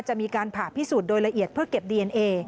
จะมีการผ่าพิสูจน์โดยละเอียดเพื่อเก็บดีเอนเอ